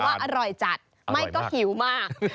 ว่าอร่อยจัดไม่ก็หิวมาก